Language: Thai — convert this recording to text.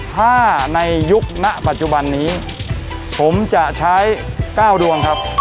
ถ้าในยุคณปัจจุบันนี้ผมจะใช้๙ดวงครับ